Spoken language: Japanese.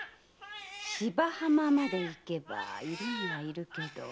芝浜まで行けばいるにはいるけど。